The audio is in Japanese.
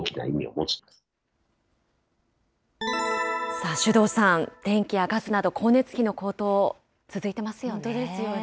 さあ、首藤さん、電気やガスなど光熱費の高騰、続いてますよね。